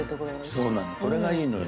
これがいいのよ。